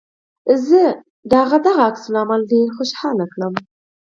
زه د هغه دغه عکس العمل ډېر خوشحاله کړم